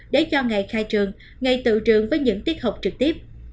để cho ngày khai trường ngày tự trường với những tiết học trực tiếp